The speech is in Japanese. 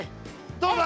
どうだ？